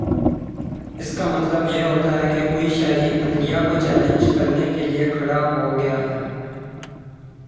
اس کا مطلب یہ ہوتا ہے کہ کوئی شہری عدلیہ کو چیلنج کرنے کے لیے کھڑا ہو گیا ہے